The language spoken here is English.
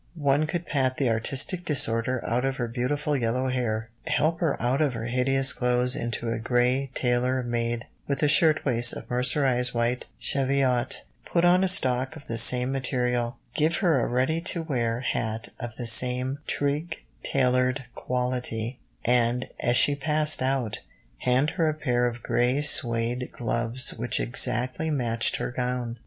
One could pat the artistic disorder out of her beautiful yellow hair, help her out of her hideous clothes into a grey tailor made, with a shirt waist of mercerised white cheviot, put on a stock of the same material, give her a "ready to wear" hat of the same trig tailored quality, and, as she passed out, hand her a pair of grey suède gloves which exactly matched her gown.